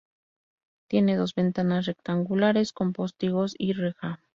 Tiene dos ventanas rectangulares con postigos y reja.